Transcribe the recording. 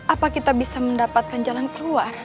apa kita bisa mendapatkan jalan keluar